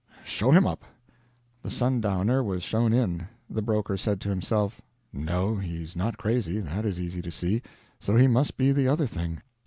Show him up." The sundowner was shown in. The broker said to himself, "No, he's not crazy; that is easy to see; so he must be the other thing."